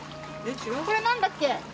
これ何だっけ？